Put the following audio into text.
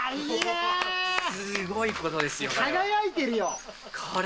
すごいことですよ、これ。